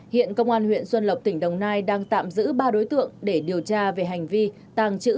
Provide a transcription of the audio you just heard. hiện công an huyện xuân lộc tỉnh đồng nai đang tạm giữ ba đối tượng để điều tra về hành vi tàng trữ